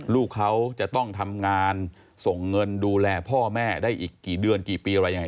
ลูกเขาจะต้องทำงานส่งเงินดูแลพ่อแม่ได้อีกกี่เดือนกี่ปีอะไรยังไง